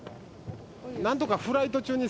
なんとかフライト中に。